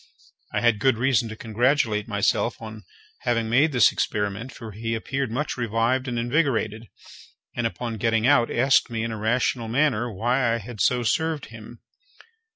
I had good reason to congratulate myself upon having made this experiment; for he appeared much revived and invigorated, and, upon getting out, asked me, in a rational manner, why I had so served him.